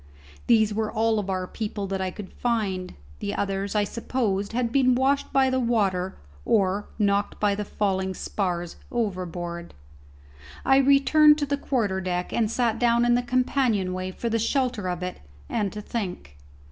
These were all of our people that I could find; the others I supposed had been washed by the water or knocked by the falling spars overboard. I returned to the quarter deck, and sat down in the companion way for the shelter of it and to think.